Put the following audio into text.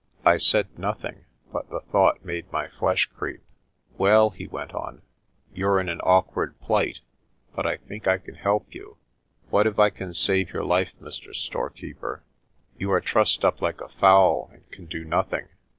I said nothing, but the thought made my flesh creep. "Well," he went on, "you're in an awkward plight, but I think I can help you. What if I can save your life, Mr. Storekeeper? You are trussed up like a fowl, and can do nothing.